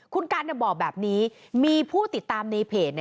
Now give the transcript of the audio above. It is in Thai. คุณกันบอกแบบนี้มีผู้ติดตามในเพจ